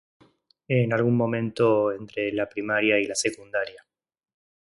En algún momento entre la primaria y la secundaria.